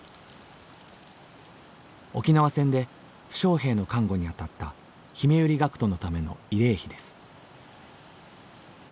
沖縄戦で負傷兵の看護に当たったひめゆり学徒のための慰霊碑です。